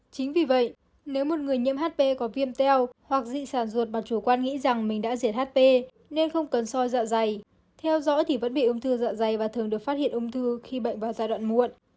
chính vì vậy nếu một người nhiễm hp có viêm teo hoặc dị sản ruột mà chủ quan nghĩ rằng mình đã diệt hp nên không cần soi dạ dày theo dõi thì vẫn bị ung thư dạ dày và thường được phát hiện ung thư khi bệnh vào giai đoạn muộn